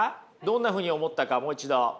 どんなふうに思ったかもう一度。